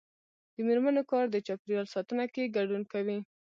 د میرمنو کار د چاپیریال ساتنه کې ګډون کوي.